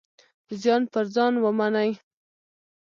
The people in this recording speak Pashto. زیان پر ځان ومني.